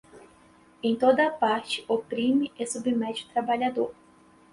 em toda a parte, oprime e submete o trabalhador